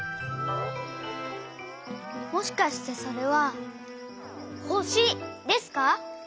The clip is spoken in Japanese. もしかしてそれはほしですか？